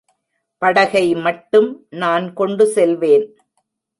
படகைமட்டும் நான் கொண்டு செல்வேன்.